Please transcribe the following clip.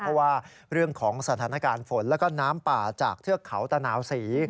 เพราะว่าเรื่องของสถานการณ์ฝนแล้วก็น้ำป่าจากเทือกเขาตะนาวศรี